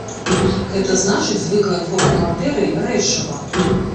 Гэта значыць, звыклая форма матэрыі, рэчыва.